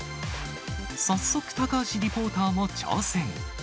早速、高橋リポーターも挑戦。